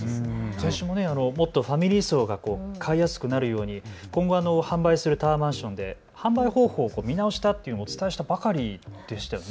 先週ももっとファミリー層が買いやすくなるように今後、販売するタワーマンションで販売方法を見直したとお伝えしたばかりでしたね。